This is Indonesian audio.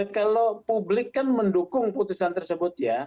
kalau publik kan mendukung putusan tersebut ya